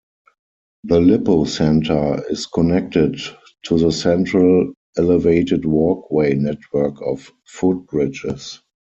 The Lippo Centre is connected to the Central Elevated Walkway network of footbridges.